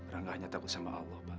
rangga hanya takut sama allah bang